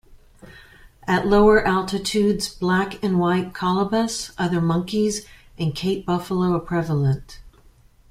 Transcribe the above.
At lower altitudes Black-and-white colobus, other monkeys and Cape Buffalo are prevalent.